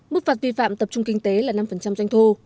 mức phạt vi phạm tập trung kinh tế là năm doanh thu